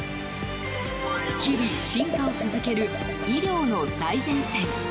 日々、進化を続ける医療の最前線。